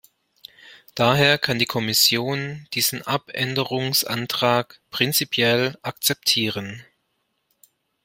Daher kann die Kommission diesen Abänderungsantrag prinzipiell akzeptieren.